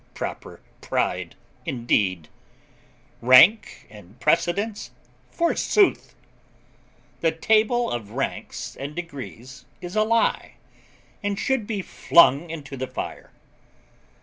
Proper pride, indeed! Rank and precedence, forsooth! The table of ranks and degrees is a lie, and should be flung into the fire.